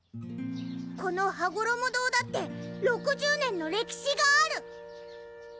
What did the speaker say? このはごろも堂だって６０年の歴史がある！